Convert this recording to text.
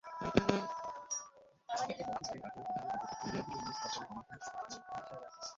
অথচ বছর দুই আগেও বিহারে বিজেপি ছিল নিতীশ কুমারের সরকারের অন্যতম শরিক।